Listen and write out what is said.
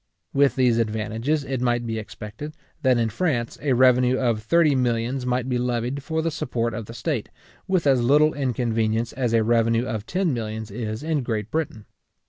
With these advantages, it might be expected, that in France a revenue of thirty millions might be levied for the support of the state, with as little inconvenience as a revenue of ten millions is in Great Britain.